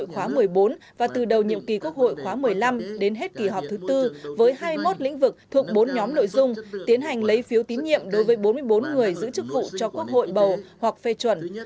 quốc hội khóa một mươi bốn và từ đầu nhiệm kỳ quốc hội khóa một mươi năm đến hết kỳ họp thứ tư với hai mươi một lĩnh vực thuộc bốn nhóm nội dung tiến hành lấy phiếu tín nhiệm đối với bốn mươi bốn người giữ chức vụ cho quốc hội bầu hoặc phê chuẩn